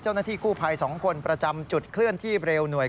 เจ้าหน้าที่กู้ภัย๒คนประจำจุดเคลื่อนที่เร็วหน่วย